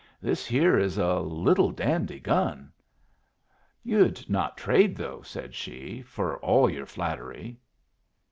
This here is a little dandy gun." "You'd not trade, though," said she, "for all your flattery."